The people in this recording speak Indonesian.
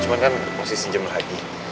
cuma kan masih si jamel haji